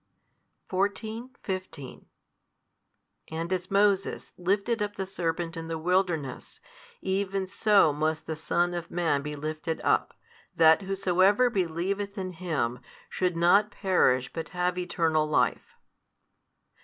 |173 14, 15 And as Moses lifted up the serpent in the wilderness, even so must the Son of man be lifted up, that whosoever believeth in Him should not perish but have eternal life.